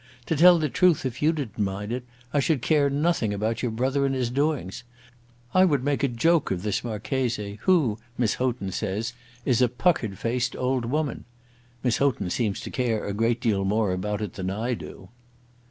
To tell the truth, if you didn't mind it, I should care nothing about your brother and his doings. I would make a joke of this Marchese, who, Miss Houghton says, is a puckered faced old woman. Miss Houghton seems to care a great deal more about it than I do."